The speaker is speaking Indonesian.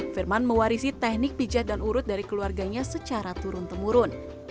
firman mewarisi teknik pijat dan urut dari keluarganya secara turun temurun